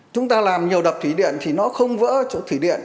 chúng ta làm nhiều đập thủy điện thì nó không vỡ chỗ thủy điện